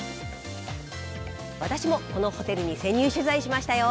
私もこのホテルに潜入取材しましたよ。